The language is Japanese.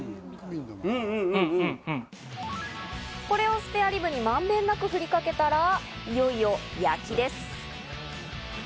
これをスペアリブにまんべんなくふりかけたら、いよいよ焼きです。